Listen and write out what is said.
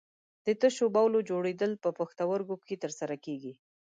د تشو بولو جوړېدل په پښتورګو کې تر سره کېږي.